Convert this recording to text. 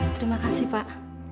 terima kasih pak